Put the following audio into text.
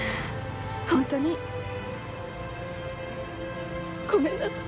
本当にごめんなさい。